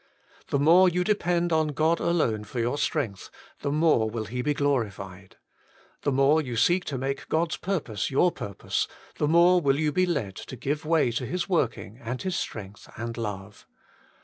The more you depend on God alone for your strength, the more will He be glorified. The more you seek to make God's purpose your purpose, the more will you be led to give way to His working and His strength and love.